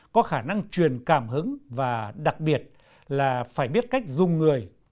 có khả năng truyền cảm hứng và đặc biệt là phải biết cách dùng người